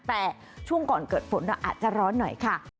แต่ช่วงก่อนเกิดฝนเราอาจจะร้อนหน่อยค่ะ